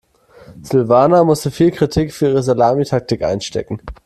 Silvana musste viel Kritik für ihre Salamitaktik einstecken.